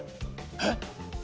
えっ！？